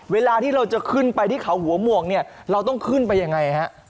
เวลาที่เราจะขึ้นไปที่เขาหัวหมวกเนี่ยเราต้องขึ้นไปยังไงฮะ